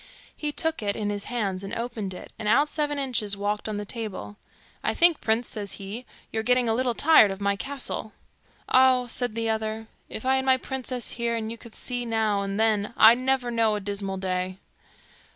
He took it in his hands and opened it, and out Seven Inches walked on the table. 'I think, prince,' says he, 'you're getting a little tired of my castle?' 'Ah!' says the other, 'if I had my princess here, and could see you now and then, I'd never know a dismal day.